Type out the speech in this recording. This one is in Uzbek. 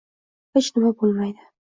Hech nima bo’lmaydi!